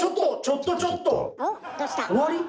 ちょっとちょっと！終わり？